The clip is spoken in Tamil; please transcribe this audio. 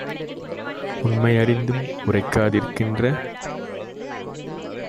உண்மை யறிந்தும் உரைக்கா திருக்கின்ற